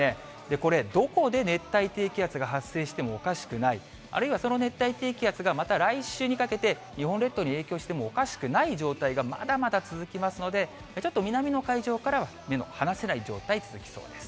これ、どこで熱帯低気圧が発生してもおかしくない、あるいはその熱帯低気圧がまた来週にかけて、日本列島に影響してもおかしくない状態がまだまだ続きますので、ちょっと南の海上からは目の離せない状態、続きそうです。